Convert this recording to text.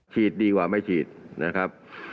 ดีกว่าไม่ฉีดนะครับ